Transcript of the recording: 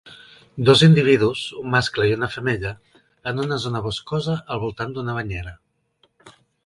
Dos individus, un mascle i una femella, en una zona boscosa al voltant d'una banyera.